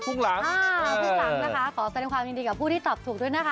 หุ้งหลังนะคะขอเป็นความยินดีกับผู้ที่ตอบถูกด้วยนะคะ